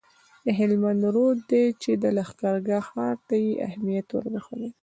د هلمند رود دی چي د لښکرګاه ښار ته یې اهمیت وربخښلی دی